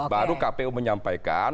baru kpu menyampaikan